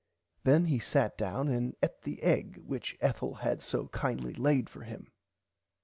Then he sat down and eat the egg which Ethel had so kindly laid for him.